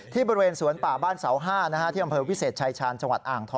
บริเวณสวนป่าบ้านเสา๕ที่อำเภอวิเศษชายชาญจังหวัดอ่างทอง